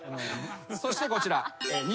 そしてこちら。